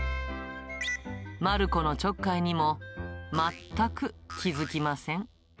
まるこのちょっかいにも、全く気付きません。